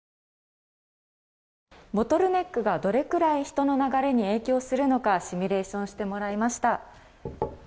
ボトルネックが人の流れにどれほど影響するのかシミュレーションをしてもらいました。